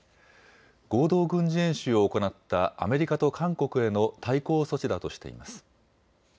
合同軍事演習を行ったアメリカと韓国への対抗措置だとしています。